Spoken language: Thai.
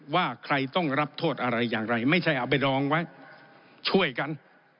ว่าใครต้องรับโทษอะไรอย่างไรไม่ใช่เอาไปรองไว้ช่วยกัน